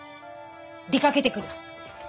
出かけてくる。